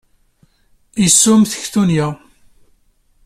Isum taktunya.